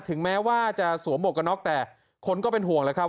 ถึงแม้ว่าจะสวมหมวกกันน็อกแต่คนก็เป็นห่วงแล้วครับ